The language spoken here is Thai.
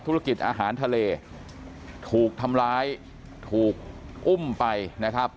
ธุรกิจอาหารทะเลถูกทำร้ายถูกอุ้มไปนะครับ